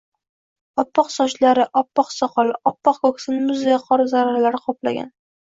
Oppoq sochlari, oppoq soqoli, oppoq ko‘ksini muzday qor zarralari qoplagan.